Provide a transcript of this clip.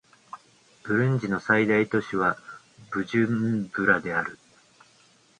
ブルンジの最大都市はブジュンブラである